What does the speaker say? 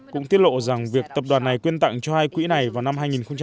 cũng tiết lộ rằng việc tập đoàn này quyên tặng cho hai quỹ này vào năm hai nghìn một mươi năm